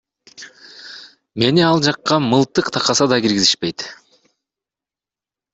Мени ал жакка мылтык такаса да киргизишпейт.